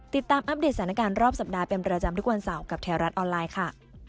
อัปเดตสถานการณ์รอบสัปดาห์เป็นประจำทุกวันเสาร์กับแถวรัฐออนไลน์ค่ะ